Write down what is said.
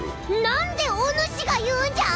何でおぬしが言うんじゃ！？